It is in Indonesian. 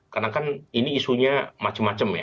karena kan ini isunya macam macam ya